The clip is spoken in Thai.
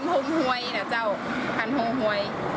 ตอนนี้เป็นช่วงฮันฮงฮวยนะเจ้าฮันฮงฮวย